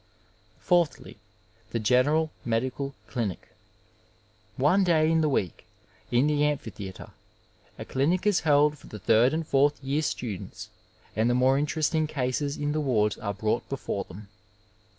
Fourthly, the general medical clinic. One day in the week, in the amphitheatre, a clinic is held for the third and fourth year students and the more interesting cases in the wards are brought before them.